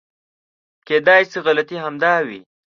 کېدای شي غلطي همدا وي .